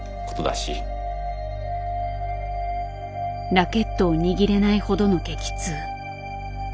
ラケットを握れないほどの激痛。